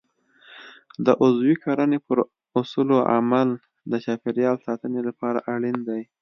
د عضوي کرنې پر اصولو عمل د چاپیریال ساتنې لپاره اړین دی.